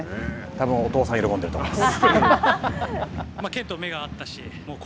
たぶんお父さんは喜んでいると思います。